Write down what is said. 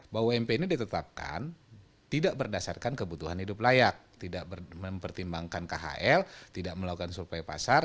bahwa ump ini ditetapkan tidak berdasarkan kebutuhan hidup layak tidak mempertimbangkan khl tidak melakukan survei pasar